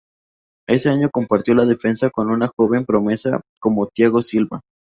Ese año compartió la defensa con una joven promesa como Thiago Silva.